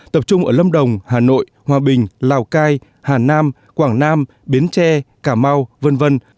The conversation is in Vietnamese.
tập trung ở lâm đồng hà nội hòa bình lào cai hà nam quảng nam biến tre cà mau v v